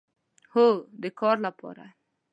هو، د کار لپاره